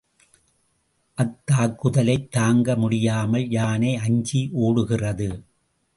அத்தாக்குதலைத் தாங்க முடியாமல் யானை அஞ்சி ஓடுகிறது.